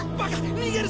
逃げるぞ！